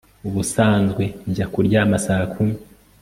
Ubusanzwe njya kuryama saa kumi